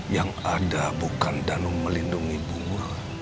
yang ada bukan danong melindungi buahmu